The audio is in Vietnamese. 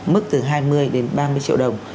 mức từ hai mươi đến ba mươi triệu đồng